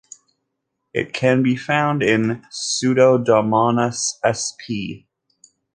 It can be found in "Pseudomonas sp".